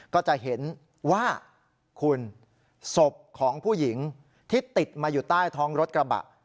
ก็จะเห็นว่าคุณศพของผู้หญิงที่ติดมาอยู่ใต้ท้องรถกระบะ